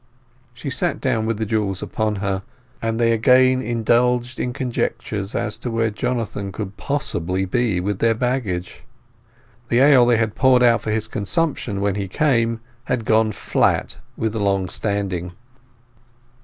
She sat down with the jewels upon her; and they again indulged in conjectures as to where Jonathan could possibly be with their baggage. The ale they had poured out for his consumption when he came had gone flat with long standing.